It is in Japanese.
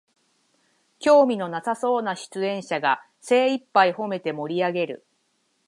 興味のなさそうな出演者が精いっぱいほめて盛りあげる